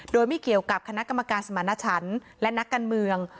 โดยไม่เกี่ยวกับคณะกรรมการสมรรถฉันและนักการเมือง